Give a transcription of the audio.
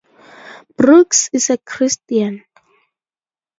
Brooks is a Christian.